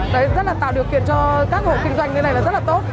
đấy rất là tạo điều kiện cho các hộ kinh doanh như thế này là rất là tốt